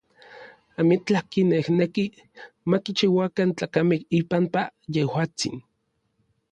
Amitlaj kinejneki ma kichiuakan tlakamej ipampa yejuatsin.